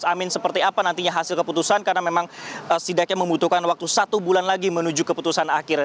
pak amin seperti apa nantinya hasil keputusan karena memang sidaknya membutuhkan waktu satu bulan lagi menuju keputusan akhirnya